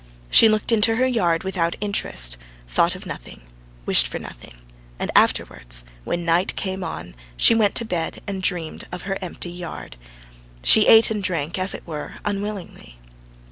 She looked into her yard without interest, thought of nothing, wished for nothing, and afterwards, when night came on she went to bed and dreamed of her empty yard. She ate and drank as it were unwillingly.